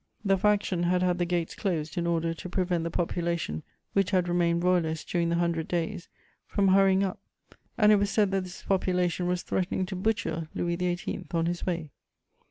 The faction had had the gates closed in order to prevent the population, which had remained Royalist during the Hundred Days, from hurrying up, and it was said that this population was threatening to butcher Louis XVIII. on his way.